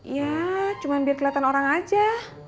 ya cuma biar kelihatan orang aja